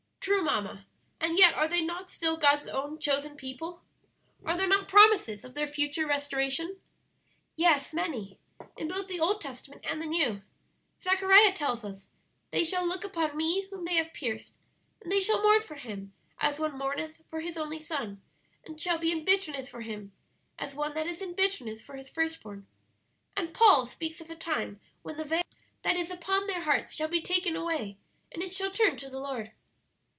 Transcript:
"True, mamma, and yet are they not still God's own chosen people? Are there not promises of their future restoration?" "Yes, many, in both the Old Testament and the New. Zechariah tells us, 'They shall look upon Me whom they have pierced, and they shall mourn for Him as one mourneth for his only son, and shall be in bitterness for him, as one that is in bitterness for his first born;' and Paul speaks of a time when the veil that is upon their hearts shall be taken away, and it shall turn to the Lord.